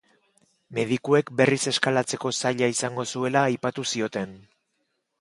Medikuek berriz eskalatzeko zaila izango zuela aipatu zioten.